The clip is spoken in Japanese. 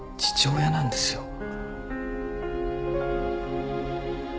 父親なんですよ。